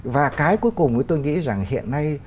và cái cuối cùng tôi nghĩ rằng hiện nay